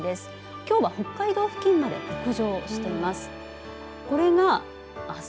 きょうは北海道付近まで北上をしています。